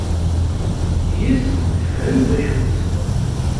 Yis-s tefhem d acu-tt.